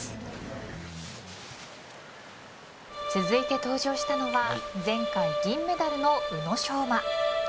続いて登場したのが前回銀メダルの宇野昌磨。